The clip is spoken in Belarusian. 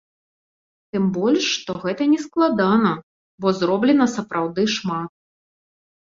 Тым больш, што гэта нескладана, бо зроблена сапраўды шмат.